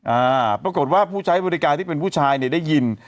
อ่าปรากฏว่าผู้ใช้บริการที่เป็นผู้ชายเนี่ยได้ยิน